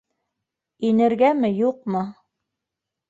Инергәме, юҡмы?